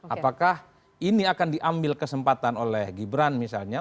apakah ini akan diambil kesempatan oleh gibran misalnya